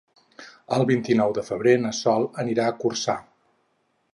El vint-i-nou de febrer na Sol anirà a Corçà.